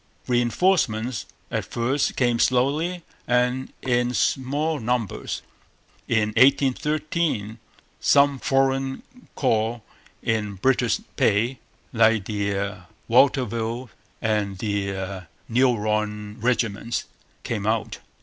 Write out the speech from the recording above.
Reinforcements at first came slowly and in small numbers. In 1813 some foreign corps in British pay, like the Watteville and the Meuron regiments, came out.